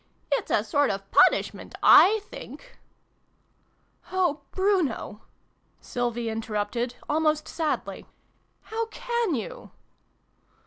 " It's a sort of punishment, I think !"" Oh, Bruno !" Sylvie interrupted, almost sadly. "How can you